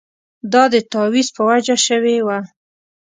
دا د تاویز په وجه شوې وه.